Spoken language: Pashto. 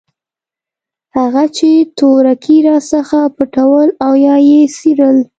هغه چې تورکي راڅخه پټول او يا يې څيرل.